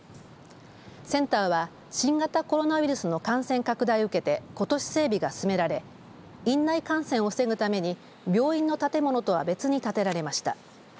センターは新型コロナウイルスの感染拡大を受けてことし整備が進められ院内感染を防ぐために病院の建物とは別に建てられました。